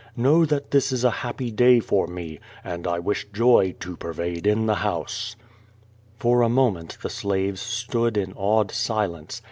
Know that this is a happy day for me, and I wish joy to pervade the iliouse." For a moment the slaves stood in awed silence.